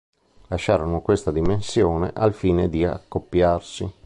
Lasciarono questa dimensione al fine di accoppiarsi.